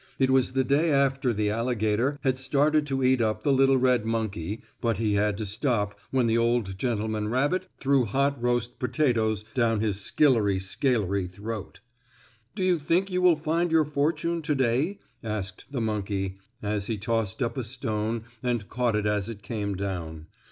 It was the day after the alligator had started to eat up the little red monkey, but he had to stop when the old gentleman rabbit threw hot roast potatoes down his skillery scalery throat. "Do you think you will find your fortune to day?" asked the monkey, as he tossed up a stone and caught it as it came down.